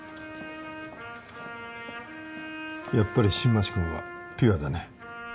やっぱり新町君はピュアだね